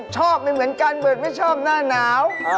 ชอบมันเหมือนกันเบิร์ดไม่ชอบหน้าหนาว